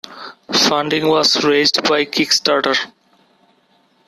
Funding was raised via Kickstarter.